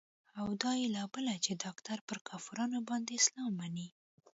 او دا يې لا بله چې ډاکتر پر کافرانو باندې اسلام منلى.